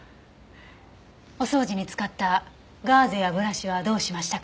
お掃除に使ったガーゼやブラシはどうしましたか？